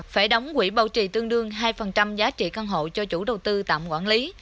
phải đóng quỹ bảo trì tương đương hai giá trị căn hộ cho chủ đầu tư tạm quản lý